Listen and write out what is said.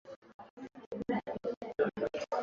Alikuwa waziri katika serikali za Mkapa na Kikwete